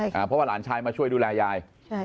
เพราะว่าหลานชายมาช่วยดูแลยายใช่